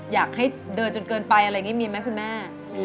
อยากให้เดินจนเกินไปอะไรอย่างนี้มีไหมคุณแม่